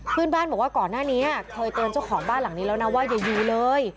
เพื่อนบ้านบอกว่าก่อนหน้านี้เคยเตือนเจ้าของบ้านหลังนี้แล้วนะว่าอย่าอยู่เลย